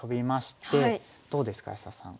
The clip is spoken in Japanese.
どうですか安田さん。